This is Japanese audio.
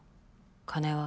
金は？